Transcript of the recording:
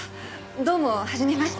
どうもはじめまして。